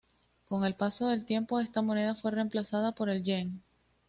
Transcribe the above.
Con el paso del tiempo, esta moneda fue reemplazada por el Yen.